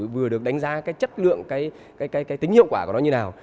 vừa được đánh giá cái chất lượng cái tính hiệu quả của nó như nào